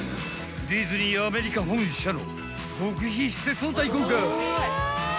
ディズニーアメリカ本社の極秘施設を大公開！